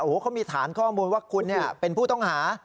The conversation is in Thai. โอ้โหเขามีฐานข้อมูลว่าคุณเป็นผู้ต้องหา